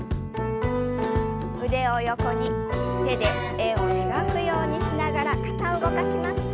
腕を横に手で円を描くようにしながら肩を動かします。